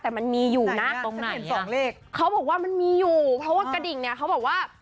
แต่มันมีอยู่นะเขาบอกว่ามันมีอยู่เพราะว่ากระดิ่งเนี้ยเขาบอกว่า